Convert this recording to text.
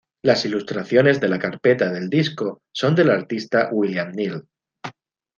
Las ilustraciones de la carpeta del disco son del artista William Neal.